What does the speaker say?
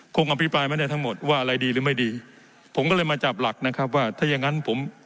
อภิปรายไม่ได้ทั้งหมดว่าอะไรดีหรือไม่ดีผมก็เลยมาจับหลักนะครับว่าถ้าอย่างงั้นผม